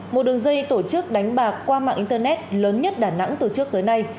một đường dây tổ chức đánh bạc qua mạng internet lớn nhất đà nẵng từ trước tới nay